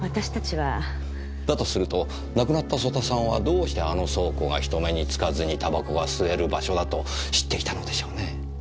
だとすると亡くなった曽田さんはどうしてあの倉庫が人目につかずに煙草が吸える場所だと知っていたのでしょうねぇ？